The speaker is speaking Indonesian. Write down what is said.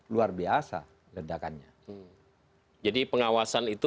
luar biasa ledakannya jadi pengawasan itu